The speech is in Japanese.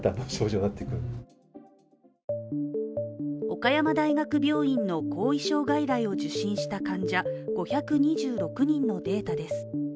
岡山大学病院の後遺症外来を受診した患者５２６人のデータです。